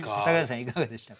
いかがでしたか？